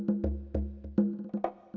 ya ini istirahat beneran ya